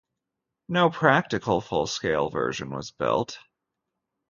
No practical full-scale version was built.